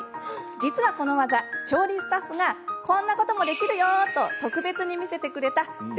実はこの技調理スタッフがこんなこともできるよと特別に見せてくれたデモンストレーションです。